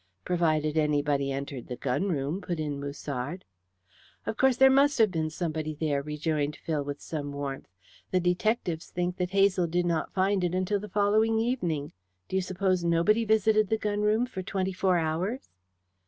"Provided anybody entered the gun room," put in Musard. "Of course there must have been somebody here," rejoined Phil with some warmth. "The detectives think that Hazel did not find it until the following evening. Do you suppose nobody visited the gun room for twenty four hours?"